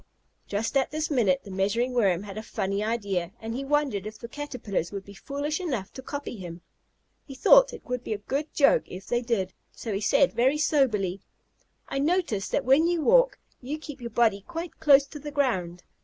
Just at this minute the Measuring Worm had a funny idea, and he wondered if the Caterpillars would be foolish enough to copy him. He thought it would be a good joke if they did, so he said very soberly, "I notice that when you walk you keep your body quite close to the ground.